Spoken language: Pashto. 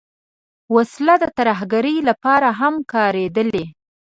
وسله د ترهګرۍ لپاره هم کارېدلې